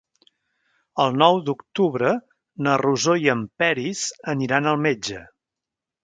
El nou d'octubre na Rosó i en Peris aniran al metge.